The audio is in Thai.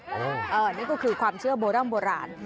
นี่ก็คือความเชื่อโบราณโบราณ